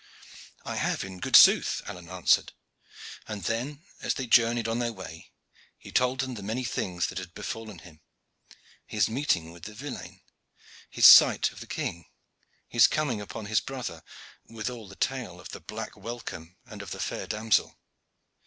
"I have in good sooth," Alleyne answered, and then as they journeyed on their way he told them the many things that had befallen him, his meeting with the villein, his sight of the king, his coming upon his brother, with all the tale of the black welcome and of the fair damsel.